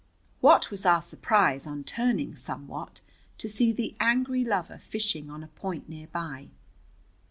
What was our surprise, on turning somewhat, to see the angry lover fishing on a point near by.